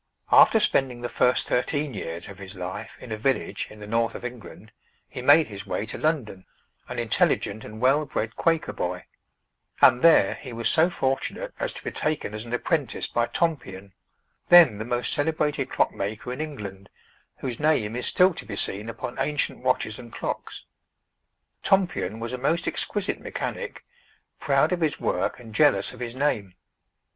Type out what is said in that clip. After spending the first thirteen years of his life in a village in the North of England, he made his way to London, an intelligent and well bred Quaker boy; and there he was so fortunate as to be taken as an apprentice by Tompion, then the most celebrated clock maker in England, whose name is still to be seen upon ancient watches and clocks. Tompion was a most exquisite mechanic, proud of his work and jealous of his name.